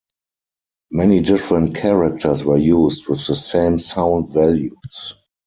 Many different characters were used with the same sound values.